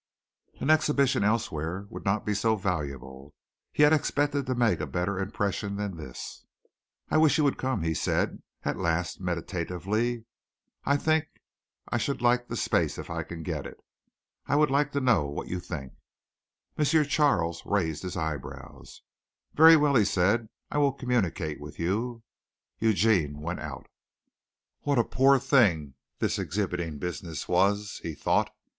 An exhibition elsewhere would not be so valuable. He had expected to make a better impression than this. "I wish you would come," he said at last meditatively. "I think I should like the space if I can get it. I would like to know what you think." M. Charles raised his eyebrows. "Very well," he said, "I will communicate with you." Eugene went out. What a poor thing this exhibiting business was, he thought.